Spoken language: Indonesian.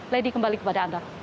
lady kembali kepada anda